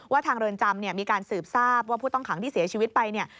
ทางเรือนจำเนี่ยมีการสืบทราบว่าผู้ต้องขังที่เสียชีวิตไปเนี่ย